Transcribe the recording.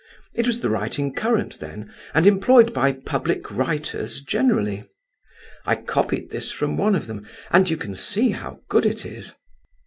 It was the writing current then, and employed by public writers generally. I copied this from one of them, and you can see how good it is.